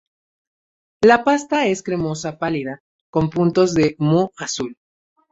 La pasta es cremosa pálida, con puntos de moho azul.